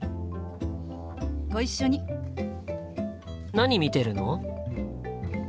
何見てるの？